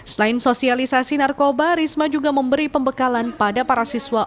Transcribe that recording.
selain sosialisasi narkoba risma juga memberi pembekalan pada para siswa